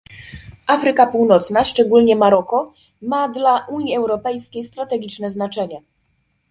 Afryka Północna, szczególnie Maroko, ma dla Unii Europejskiej strategiczne znaczenie